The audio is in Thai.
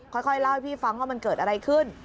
ค่อยเล่าให้พี่ฟังว่ามันเกิดอะไรขึ้น